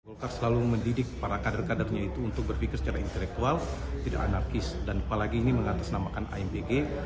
golkar selalu mendidik para kader kadernya itu untuk berpikir secara intelektual tidak anarkis dan apalagi ini mengatasnamakan ambg